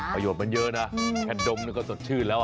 ประโยชน์มันเยอะนะแค่ดมนี่ก็สดชื่นแล้ว